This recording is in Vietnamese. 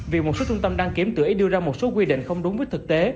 việc một số trung tâm đăng kiểm tự ý đưa ra một số quy định không đúng với thực tế